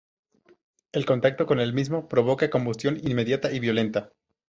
El contacto con el mismo provoca combustión inmediata y violenta.